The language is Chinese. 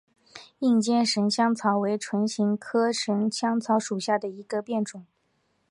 硬尖神香草为唇形科神香草属下的一个变种。